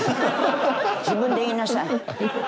自分で言いなさい。